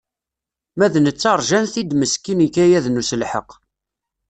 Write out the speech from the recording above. Ma d netta rjan-t-id meskin ikayaden uselḥeq.